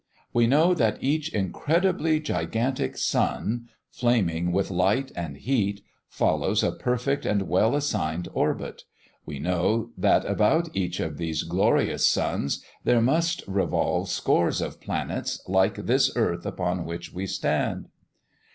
We know that each incredibly gigantic sun flaming with light and heat follows a perfect and well assigned orbit. We know that about each of these glorious suns there must revolve scores of planets, like this earth upon which we stand.